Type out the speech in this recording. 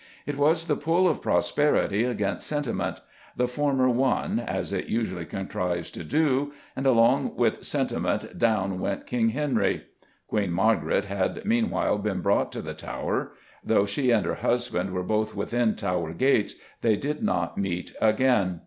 It was the pull of prosperity against sentiment; the former won, as it usually contrives to do, and along with sentiment down went King Henry. Queen Margaret had meanwhile been brought to the Tower. Though she and her husband were both within Tower gates they did not meet again.